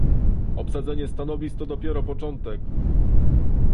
Obsadzenie stanowisk to dopiero początek